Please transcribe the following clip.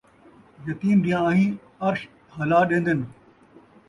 یتیم دیاں آہیں عرش ہلا ݙین٘دن